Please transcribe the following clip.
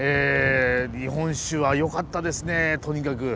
日本酒はよかったですねとにかく。